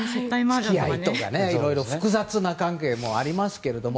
付き合いとかね、いろいろ複雑な関係もありますけども。